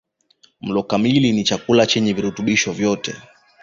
Mlo kamili ni chakula chenye virutubishi vyote